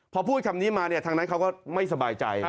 พอพูดคำนี้มาเนี่ยทางนั้นเขาก็ไม่สบายใจ